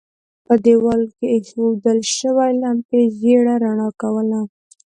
په دېوال کې اېښودل شوې لمپې ژېړه رڼا کوله.